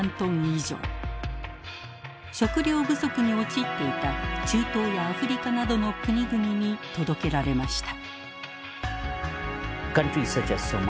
食料不足に陥っていた中東やアフリカなどの国々に届けられました。